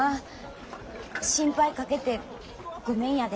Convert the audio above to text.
心配かけてごめんやで。